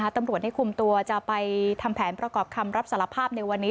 ตำรวจได้คุมตัวจะไปทำแผนประกอบคำรับสารภาพในวันนี้